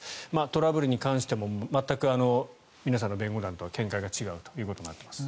トラブルに関しても全く皆さんの弁護団とは見解が違うということになります。